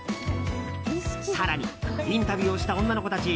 更にインタビューをした女の子たち